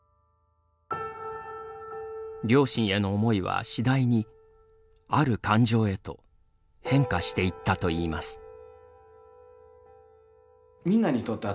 両親への思いは次第にある感情へと変化していったといいます。